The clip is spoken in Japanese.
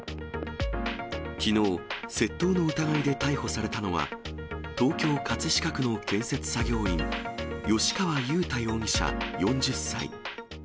きのう、窃盗の疑いで逮捕されたのは、東京・葛飾区の建設作業員、吉川勇大容疑者４０歳。